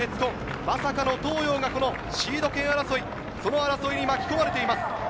東洋がシード権争い、その争いに巻き込まれています。